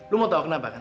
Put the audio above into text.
lu mau tau kenapa kan